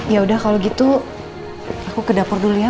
ya udah kalau gitu aku ke dapur dulu ya